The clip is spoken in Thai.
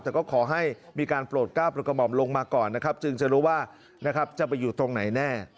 แต่ก็ขอให้มีการโปรดกล้าปรุกมอบลงมาก่อนจึงจะรู้ว่าจะไปอยู่ตรงไหนแน่